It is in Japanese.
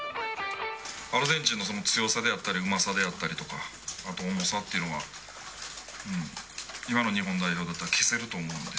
アルゼンチンの強さであったり、うまさであったりとか、あと重さっていうのは、今の日本代表だったら消せると思うので。